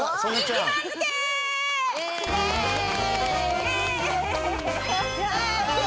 イェーイ！